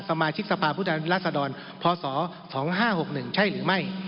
สมาชิกสภาพุทธแหลศดรพส๒๕๖๑ใช่หรือไม่